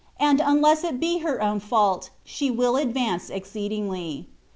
157 and unless it be her own faulty she will advance exceedingly.